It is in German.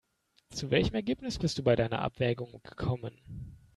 Zu welchem Ergebnis bist du bei deiner Abwägung gekommen?